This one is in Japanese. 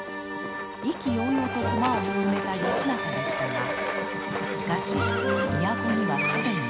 意気揚々と駒を進めた義仲でしたがしかし都には既に。